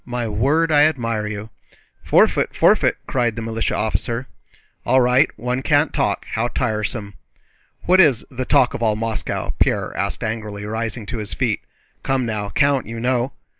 My word, I admire you!" "Forfeit, forfeit!" cried the militia officer. "All right, one can't talk—how tiresome!" "What is 'the talk of all Moscow'?" Pierre asked angrily, rising to his feet. "Come now, Count, you know!"